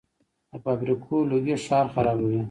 د فابریکو لوګي ښار خرابوي.